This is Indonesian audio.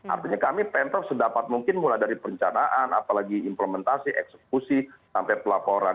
artinya kami pemprov sedapat mungkin mulai dari perencanaan apalagi implementasi eksekusi sampai pelaporan